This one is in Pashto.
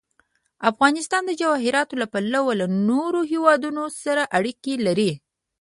افغانستان د جواهرات له پلوه له نورو هېوادونو سره اړیکې لري.